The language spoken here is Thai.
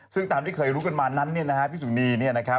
ซึ่งตามที่เคยรู้กันมานั้นพี่สุนี